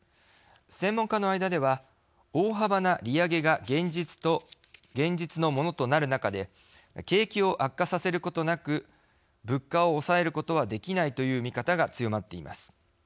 専門家の間では大幅な利上げが現実のものとなる中で景気を悪化させることなく物価を抑えることはできないという見方が強まっています。